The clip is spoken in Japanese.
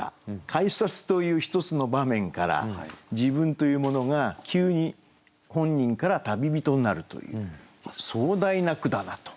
改札という１つの場面から自分というものが急に本人から旅人になるという壮大な句だなと。